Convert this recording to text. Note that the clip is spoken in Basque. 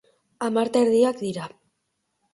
Hamar eta erdiak dira.